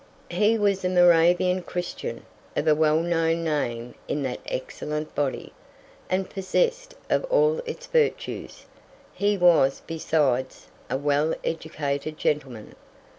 He was a Moravian Christian, of a well known name in that excellent body, and possessed of all its virtues; he was, besides, a well educated gentleman.